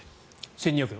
１２００円。